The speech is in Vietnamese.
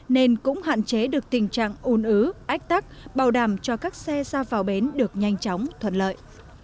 nên cũng hạn chế được tình trạng ùn ứ ách tắc bảo đảm cho các xe ra vào bến được nhanh chóng thuận lợi